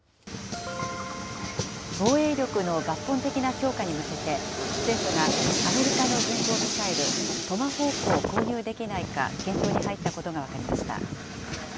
防衛力の抜本的な強化に向けて、政府がアメリカの巡航ミサイル、トマホークを購入できないか検討に入ったことが分かりました。